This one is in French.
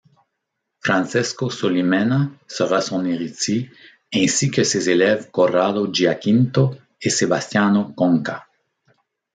Francesco Solimena sera son héritier, ainsi que ses élèves Corrado Giaquinto et Sebastiano Conca.